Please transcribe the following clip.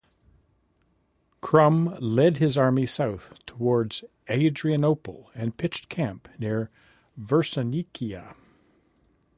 Krum led his army south towards Adrianople and pitched camp near Versinikia.